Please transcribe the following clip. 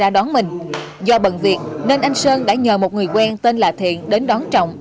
do bận việc nên anh sơn đã nhờ một người quen tên là thiện đến đón trọng